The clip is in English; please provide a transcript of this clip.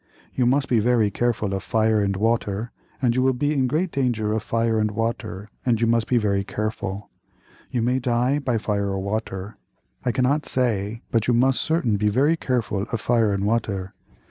You must be very careful of fire and water, you will be in great danger of fire and water and you must be very careful. You may die by fire or water, I cannot say but you must certain be very careful of fire and water.